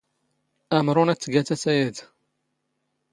ⴰⵎⵕⵓⵏ ⴰⴷ ⵜⴳⴰ ⵜⴰⵜⴰ ⴰⴷ.